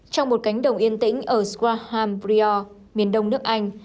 trong một cánh đồng yên tĩnh ở squaham brio miền đông nước anh